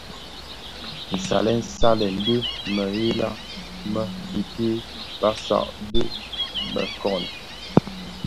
Nsalèn salèn dhi mëghèla më bitè, basag dhi měkoň,